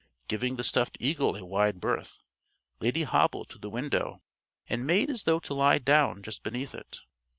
Giving the stuffed eagle a wide berth, Lady hobbled to the window and made as though to lie down just beneath it.